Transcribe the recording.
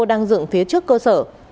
đang dựng phía trước cơ sở